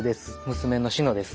娘の美乃です。